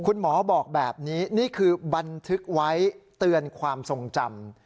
คุณหมอบอกแบบนี้นี่คือบันทึกไว้เตือนความทรงจำ